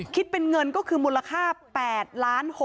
คิดเป็นเงินก็คือมูลค่า๘ล้านบาท